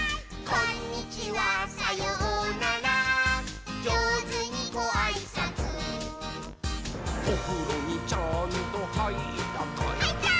「こんにちはさようならじょうずにごあいさつ」「おふろにちゃんとはいったかい？」はいったー！